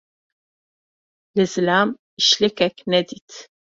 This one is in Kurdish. Li zilam îşlikek nedît.